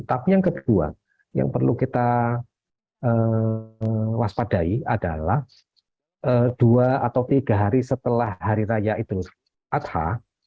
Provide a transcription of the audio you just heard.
tapi yang kedua yang perlu kita waspadai adalah dua atau tiga hari setelah hari raya idul adha